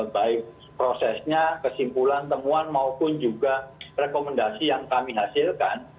baik prosesnya kesimpulan temuan maupun juga rekomendasi yang kami hasilkan